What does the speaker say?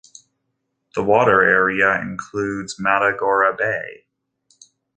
The water area includes Matagorda Bay.